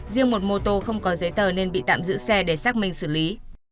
riêng một mô tô không có giấy tờ nên bị tạm giữ xe để xác minh xử lý